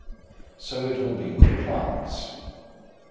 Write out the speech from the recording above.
So it will be with plants.